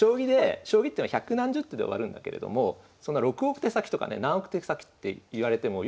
将棋っていうのは百何十手で終わるんだけれども６億手先とかね何億手先って言われてもよく分かんないと。